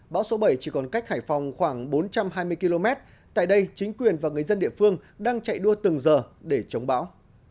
bão số bảy chỉ còn cách hải phòng khoảng bốn trăm hai mươi km tại đây chính quyền và người dân địa phương đang chạy đua từng giờ để chống bão